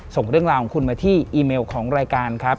ส่งเรื่องราวของคุณมาที่อีเมลของรายการครับ